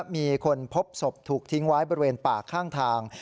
มีคนพบศพถูกทิ้งไว้บริเวณป่าข้างทาง